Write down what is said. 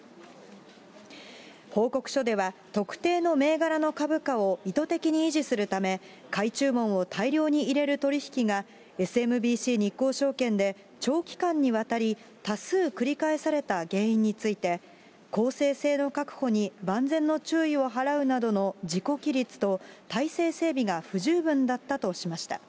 報告書では特定の銘柄の株価を意図的に維持するため、買い注文を大量に入れる取り引きが、ＳＭＢＣ日興証券で長期間にわたり多数繰り返された原因について、公正性の確保に万全の注意を払うなどの自己規律と体制整備が不十分だったとしました。